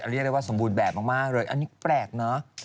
เรียกได้ว่าสมบูรณ์แบบมากเลยอันนี้แปลกเนอะ